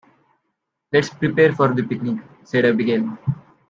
"Let's prepare for the picnic!", said Abigail.